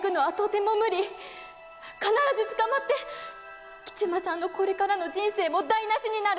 必ず捕まって吉間さんのこれからの人生も台なしになる。